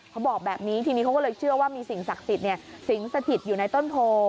เขาบอกแบบนี้ทีนี้เขาก็เลยเชื่อว่ามีสิ่งศักดิ์สิทธิ์สิงสถิตอยู่ในต้นโพ